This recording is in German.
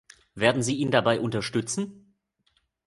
Werden Sie ihn dabei unterstützen?